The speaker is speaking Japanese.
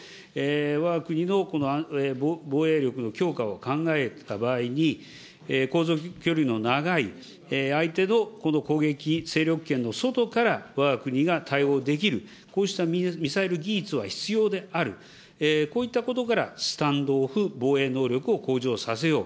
わが国の防衛力の強化を考えた場合に、航続距離の長い、相手の攻撃、勢力圏の外からわが国が対応できる、こうしたミサイル技術は必要である、こういったことからスタンド・オフ防衛能力を向上させよう。